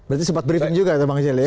berarti sempat briefing juga ya bang hjelir